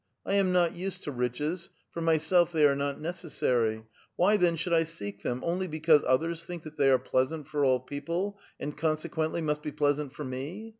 I am not used to riches — for myself they are not necessary ; why, then, should I seek them only because others think that they are pleasant for all people, and consequently must be pleasant for me?